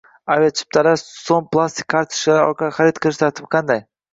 Aviachiptalarni so‘m plastik kartochkalari orqali xarid qilish tartibi qanday?